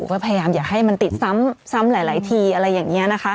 พยายามอย่าให้มันติดซ้ำหลายทีอะไรแบบนี้